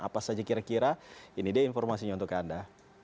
apa saja kira kira ini dia informasinya untuk anda